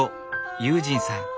悠仁さん